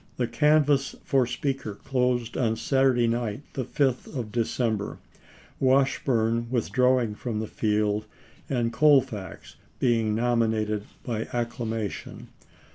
The canvass for Speaker closed on Saturday night, the 5th of December, Washburne withdraw 1863. ing from the field and Colfax being nominated by acclamation.